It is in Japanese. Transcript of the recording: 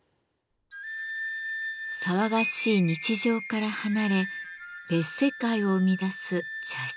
騒がしい日常から離れ別世界を生み出す茶室の窓。